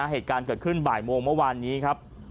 เหตุการณ์เกิดขึ้นบ่ายโมงเมื่อวานนี้ครับ